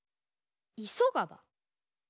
いそがば？